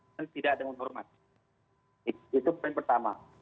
itu tidak ada yang hormat itu yang pertama